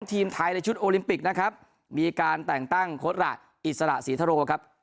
ทีมไทยในชุดโอลิมปิกนะครับมีการแต่งตั้งโค้ดระอิสระศรีทโรครับ